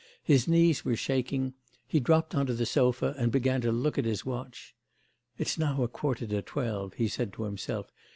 His knees were shaking; he dropped on to the sofa, and began to look at his watch. 'It's now a quarter to twelve,' he said to himself.